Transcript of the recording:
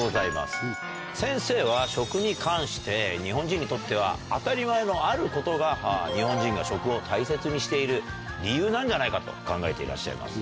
先生は食に関して日本人にとっては当たり前のあることが日本人が食を大切にしている理由なんじゃないかと考えていらっしゃいます